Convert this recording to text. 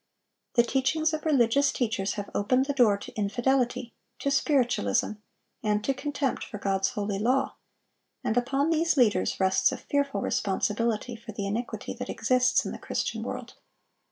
The teachings of religious leaders have opened the door to infidelity, to Spiritualism, and to contempt for God's holy law; and upon these leaders rests a fearful responsibility for the iniquity that exists in the Christian world.